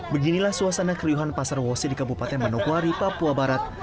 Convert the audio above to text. beginilah suasana keriuhan pasar wosi di kabupaten manokwari papua barat